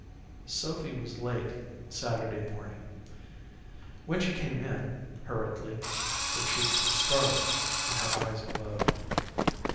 Sophy was late Saturday morning. When she came in, hurriedly, her cheeks were scarlet and her eyes glowed.